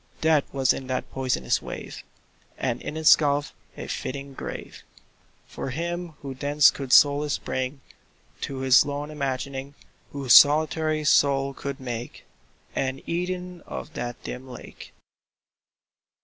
Death was in that poisonous wave, And in its gulf a fitting grave For him who thence could solace bring To his lone imagining— Whose solitary soul could make An Eden of that dim lake.